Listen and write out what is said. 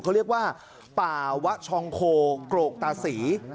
เขาเรียกว่าป่าวะชองโคกรกตาศรี